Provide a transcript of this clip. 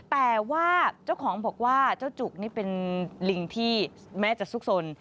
แต่ว่าเจ้าของบอกว่าเจ้าจุกนี่เป็นลิงที่แม้จะซุกสน